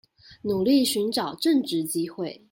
努力尋找正職機會